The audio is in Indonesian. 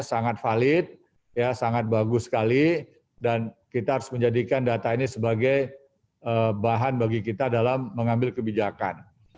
sangat valid sangat bagus sekali dan kita harus menjadikan data ini sebagai bahan bagi kita dalam mengambil kebijakan